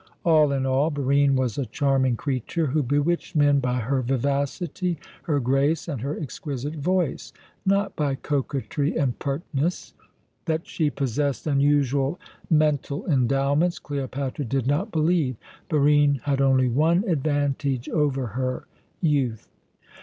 All in all, Barine was a charming creature, who bewitched men by her vivacity, her grace, and her exquisite voice, not by coquetry and pertness. That she possessed unusual mental endowments Cleopatra did not believe. Barine had only one advantage over her youth.